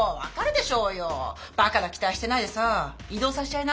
バカな期待してないでさ異動させちゃいな。